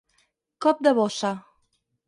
Cop de bossa.